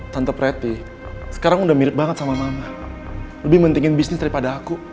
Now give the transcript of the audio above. tante sekarang udah mirip banget sama mama lebih pentingin bisnis daripada aku